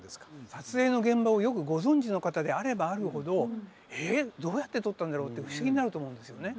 撮影の現場をよくご存じの方であればあるほどえどうやって撮ったんだろうって不思議になると思うんですよね。